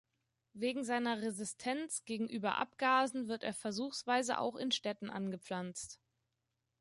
Wegen seiner Resistenz gegenüber Abgasen wird er versuchsweise auch in Städten angepflanzt.